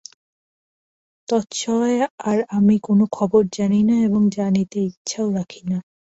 তৎসওয়ায় আর আমি কোন খবর জানি না এবং জানিতে ইচ্ছাও রাখি না।